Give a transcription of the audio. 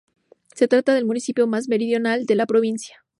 Se trata del municipio más meridional de la provincia.